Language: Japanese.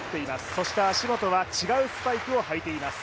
そして足元は違うスパイクを履いています。